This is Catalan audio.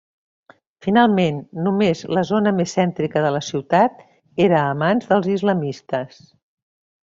Finalment, només la zona més cèntrica de la ciutat era a mans islamistes.